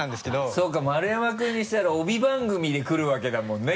そうか丸山君にしたら帯番組で来るわけだもんね。